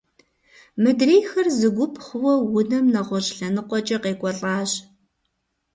Мыдрейхэр зы гуп хъууэ унэм нэгъуэщӏ лъэныкъуэкӏэ къекӏуэлӏащ.